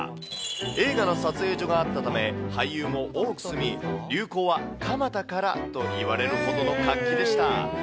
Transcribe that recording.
映画の撮影所があったため、俳優も多く住み、流行は蒲田からといわれるほど活気でした。